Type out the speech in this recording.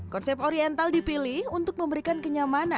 konsep oriental dipilih untuk memberikan kemampuan untuk masjid yang terbaik